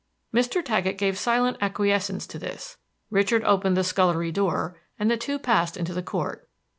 Mr. Taggett gave silent acquiescence to this. Richard opened the scullery door, and the two passed into the court.